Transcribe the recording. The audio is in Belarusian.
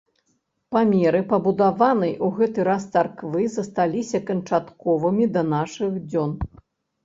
Памеры пабудаванай у гэты раз царквы засталіся канчатковымі да нашых дзён.